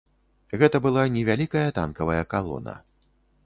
Гэта была невялікая танкавая калона.